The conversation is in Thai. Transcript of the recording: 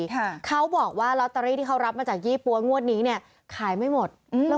ค่ะเขาบอกว่าลอตเตอรี่ที่เขารับมาจากยี่ปั๊วงวดนี้เนี้ยขายไม่หมดอืมแล้ว